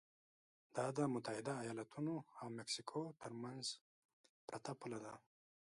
دا د متحده ایالتونو او مکسیکو ترمنځ پرته پوله ده.